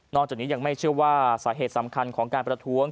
จากนี้ยังไม่เชื่อว่าสาเหตุสำคัญของการประท้วง